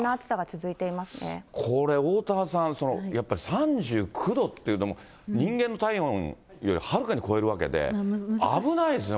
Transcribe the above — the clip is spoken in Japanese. これおおたわさん、やっぱ３９度というのも、人間の体温よりはるかに超えるわけで、危ないですよね。